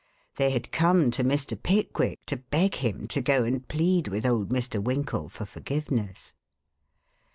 They had come to Mr. Pickwick to beg him to go and plead with old Mr. Winkle for forgiveness.